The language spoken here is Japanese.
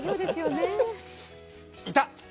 いた！